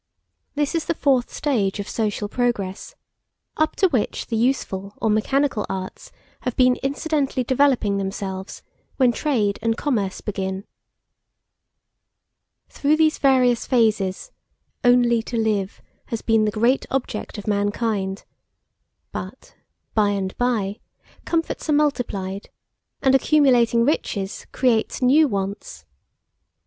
This is the fourth stage of social progress, up to which the useful or mechanical arts have been incidentally developing themselves, when trade and commerce begin. Through these various phases, only to live has been the great object of mankind; but, by and by, comforts are multiplied, and accumulating riches create new wants.